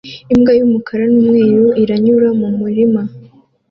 Imbwa y'umukara n'umweru iranyura mu murima